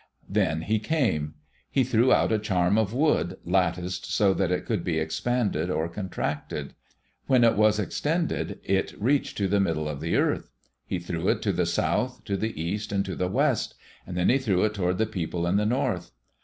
Then he came. He threw out a charm of wood, latticed so it could be expanded or contracted. When it was extended it reached to the middle of the earth. He threw it to the south, to the east, and to the west; then he threw it toward the people in the north.